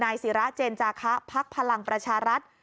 นายศิราเจนจาค้าภักดิ์พลังประชารัฐ